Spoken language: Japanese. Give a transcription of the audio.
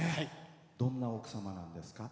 どんな奥様なんですか？